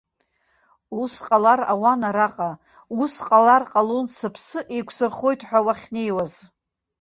Ус ҟалар ауан араҟа, ус ҟалар ҟалон сыԥсы еиқәсырхоит ҳәа уахьнеиуаз.